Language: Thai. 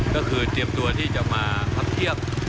ก็คือเตรียมตัวที่จะมาคัดเทียบ